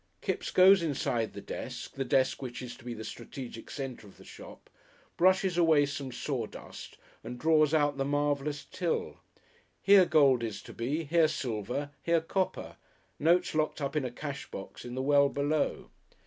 Kipps goes inside the desk, the desk which is to be the strategic centre of the shop, brushes away some sawdust, and draws out the marvellous till; here gold is to be, here silver, here copper notes locked up in a cash box in the well below.